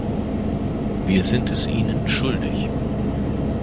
Wir sind es ihnen schuldig.